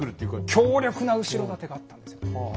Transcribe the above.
強力な後ろ盾があったんですよね。